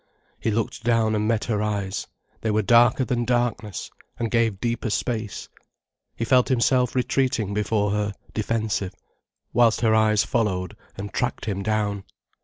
He looked down and met her eyes. They were darker than darkness, and gave deeper space. He felt himself retreating before her, defensive, whilst her eyes followed and tracked him own.